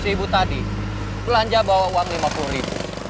si ibu tadi belanja bawa uang lima puluh ribu